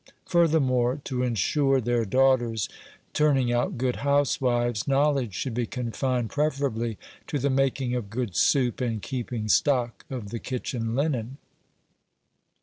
Furthermore, to insure their daughters turning out good housewives, knowledge should be confined preferably to the making of good soup, and keeping stock of the kitchen linen.